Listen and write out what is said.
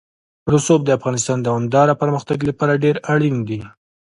رسوب د افغانستان د دوامداره پرمختګ لپاره ډېر اړین دي.